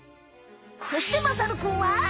そしてまさるくんは？